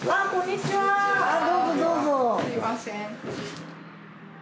すいません。